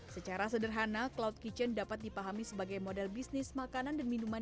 secara sederhana cloud kitchen dapat dipahami sebagai model bisnis makanan dan minuman